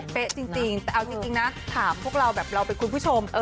จริงแต่เอาจริงนะถามพวกเราแบบเราเป็นคุณผู้ชม